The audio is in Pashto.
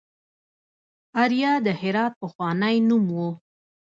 اریا د هرات پخوانی نوم و